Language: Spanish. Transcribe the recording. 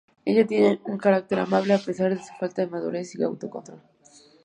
Ella tiene un carácter amable, a pesar de su falta de madurez y autocontrol.